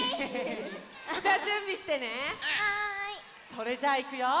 それじゃあいくよ。